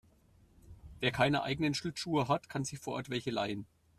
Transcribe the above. Wer keine eigenen Schlittschuhe hat, kann sich vor Ort welche leihen.